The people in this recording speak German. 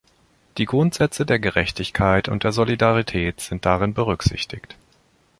Die Grundsätze der Gerechtigkeit und der Solidarität sind darin berücksichtigt.